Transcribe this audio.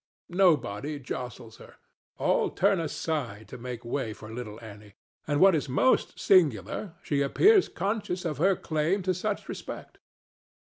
Nobody jostles her: all turn aside to make way for little Annie; and, what is most singular, she appears conscious of her claim to such respect.